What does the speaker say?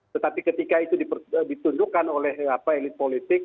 tetapi ketika itu ditunjukkan oleh elit politik